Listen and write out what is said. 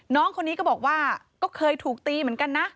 น้องคนนี้ก็บอกว่าก็เคยถูกตีเหมือนกันนะ